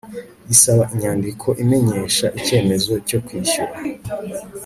isaba inyandiko imenyesha icyemezo cyokwishyura